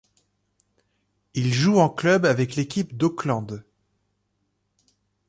Il joue en club avec l'équipe d'Auckland.